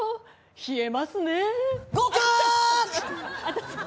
冷えますねえ。